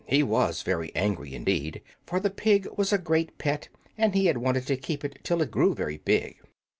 He was very angry, indeed, for the pig was a great pet, and he had wanted to keep it till it grew very big.